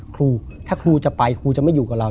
ครูถ้าครูจะไปครูจะไม่อยู่กับเรา